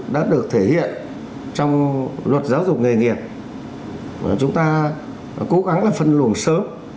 đã được thể hiện trong luật giáo dục nghề nghiệp và chúng ta cố gắng là phân luồng sớm